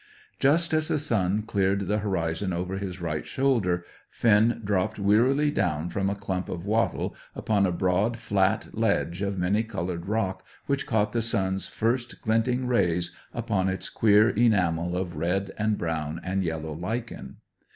Just as the sun cleared the horizon over his right shoulder, Finn dropped wearily down from a clump of wattle upon a broad, flat ledge of many coloured rock which caught the sun's first glinting rays upon its queer enamel of red and brown and yellow lichen.